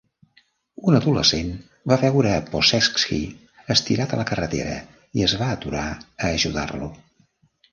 Un adolescent va veure a Pocceschi estirat a la carretera i es va aturar a ajudar-lo.